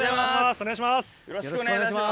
お願いします。